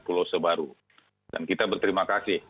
pulau sebaru dan kita berterima kasih